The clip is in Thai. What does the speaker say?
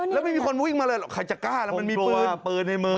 แล้วไม่มีคนวิ่งมาเลยหรอกใครจะกล้าแล้วมันมีปืนปืนในมือ